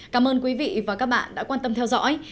cảm ơn quý vị và các bạn đã quan tâm theo dõi